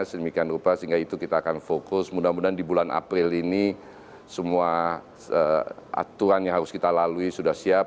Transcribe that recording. sedemikian rupa sehingga itu kita akan fokus mudah mudahan di bulan april ini semua aturan yang harus kita lalui sudah siap